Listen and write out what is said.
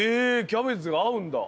キャベツが合うんだ。